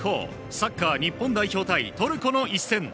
サッカー日本代表対トルコの一戦。